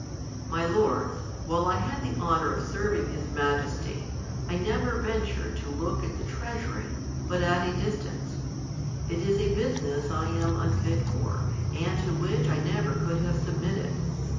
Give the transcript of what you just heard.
My lords, while I had the honor Of serving his Maj esty, I never ventured to look at the treasury but at | a distance ; it is a business I am unfit for, and to which* I never could have submitted.